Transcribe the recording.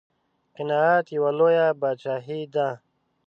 قناعت یوه لویه بادشاهي ده.